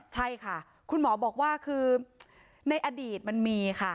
ใช่ค่ะคุณหมอบอกว่าคือในอดีตมันมีค่ะ